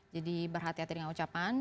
jadi berhati hati dengan ucapan